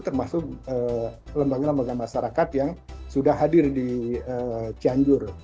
termasuk lembaga lembaga masyarakat yang sudah hadir di cianjur